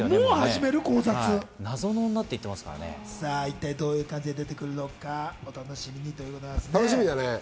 一体どういう感じに出てくるのかお楽しみにということです。